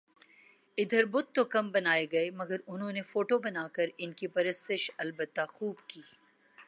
ادھر بت تو کم بنائےگئے مگر انہوں نے فوٹو بنا کر انکی پرستش البتہ خو ب کی